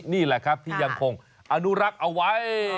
นี่แหละครับที่ยังคงอนุรักษ์เอาไว้